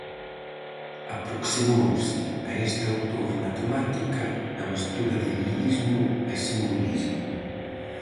Aproximouse a este autor na temática, na mestura de lirismo e simbolismo.